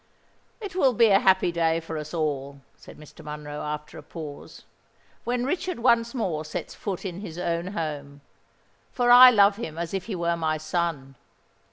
"It will be a happy day for us all," said Mr. Monroe, after a pause, "when Richard once more sets foot in his own home—for I love him as if he were my son."